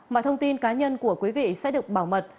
mọi thông tin cá nhân của quý vị sẽ được bảo mật